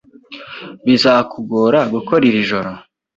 Bizakugora gukora iri joro?